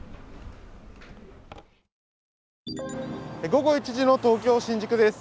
午後１時の東京・新宿です。